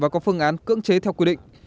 có phương án cưỡng chế theo quy định